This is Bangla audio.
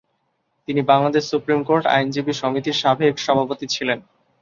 তিনি বাংলাদেশ সুপ্রিম কোর্ট আইনজীবী সমিতির সাবেক সভাপতি ছিলেন।